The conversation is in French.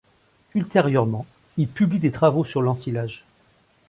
Ultérieurement, il publie des travaux sur l'ensilage.